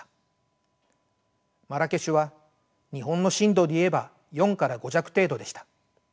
マラケシュは日本の震度で言えば４から５弱程度でした。